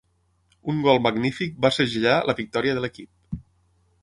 Un gol magnífic va segellar la victòria de l'equip.